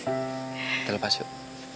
kita lepas yuk